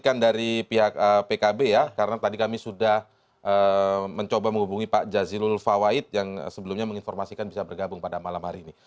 ini kan dari pihak pkb ya karena tadi kami sudah mencoba menghubungi pak jazilul fawait yang sebelumnya menginformasikan bisa bergabung pada malam hari ini